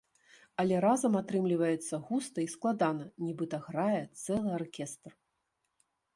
Але разам атрымліваецца густа і складана, нібыта грае цэлы аркестр.